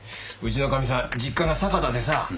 うちのかみさん実家が酒田でさ。